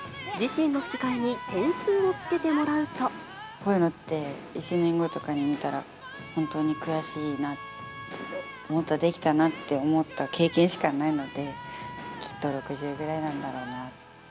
自身の吹き替えに点数をつけてもこういうのって１年後とかに見たら、本当に悔しいな、もっとできたなって思った経験しかないので、きっと６０ぐらいなんだろうな。